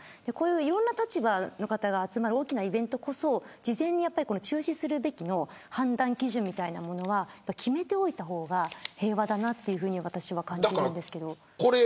いろんな立場の方が集まる大きなイベントこそ事前に中止する判断基準みたいなものは決めておいた方が平和だなと私は感じるんですけど。